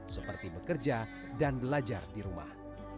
seperti bekerja dan belajar di rumah